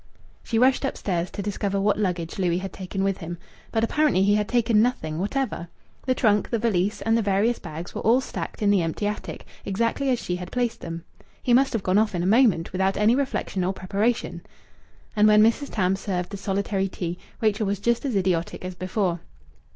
She rushed upstairs to discover what luggage Louis had taken with him. But apparently he had taken nothing whatever. The trunk, the valise, and the various bags were all stacked in the empty attic, exactly as she had placed them. He must have gone off in a moment, without any reflection or preparation. And when Mrs. Tams served the solitary tea, Rachel was just as idiotic as before.